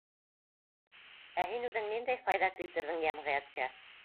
Ә һин үҙең ниндәй файҙа килтерҙең йәмғиәткә?